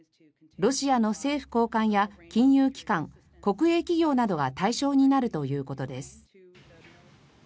ロシアの政府高官や金融機関国営企業などが対象になるということです。